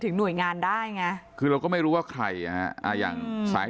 หน่วยงานได้ไงคือเราก็ไม่รู้ว่าใครอ่ะฮะอ่าอย่างสาย